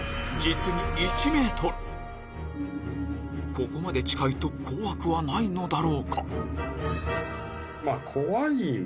ここまで近いと怖くはないのだろうか？